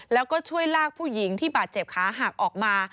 แล้วก็ช่วยลากผู้หญิงที่บาดเจ็บขาหักออกมา